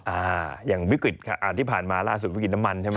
อ่าอย่างวิกฤตค่ะอ่าที่ผ่านมาล่าสุดวิกฤตน้ำมันใช่ไหม